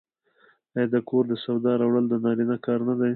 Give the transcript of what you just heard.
آیا د کور د سودا راوړل د نارینه کار نه دی؟